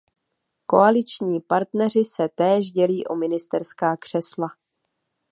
Koaliční partneři se též dělí o ministerská křesla.